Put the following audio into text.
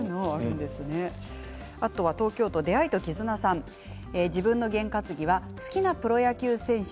東京都の方自分の験担ぎは好きなプロ野球選手